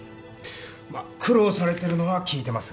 まっ苦労されてるのは聞いてます。